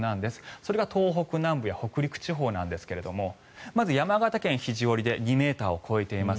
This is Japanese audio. それが東北南部や北陸地方なんですがまず山形県肘折で２ｍを超えています。